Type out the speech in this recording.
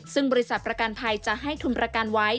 ซึ่งบริษัทประกันภัยจะให้ทุนประกันไว้